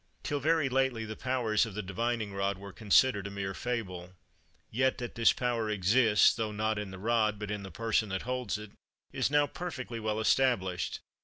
Till very lately, the powers of the divining rod were considered a mere fable; yet, that this power exists, though not in the rod, but in the person that holds it, is now perfectly well established.